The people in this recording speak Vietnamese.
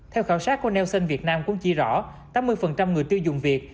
theo khảo sát của nelson việt nam cũng chỉ rõ tám mươi người tiêu dùng việt